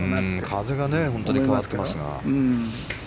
風が本当に変わってますが。